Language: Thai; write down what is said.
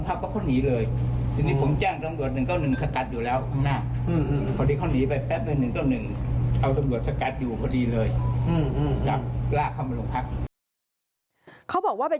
พอเข้าโรงพักเห็นว่าเข้าโรงพักก็เนียบเลย